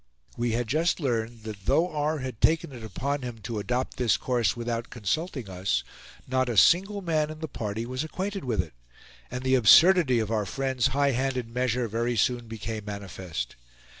We had just learned that though R. had taken it upon him to adopt this course without consulting us, not a single man in the party was acquainted with it; and the absurdity of our friend's high handed measure very soon became manifest.